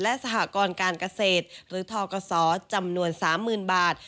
และสหกรการเกษตรหรือทกศจำนวน๓๐๐๐บาท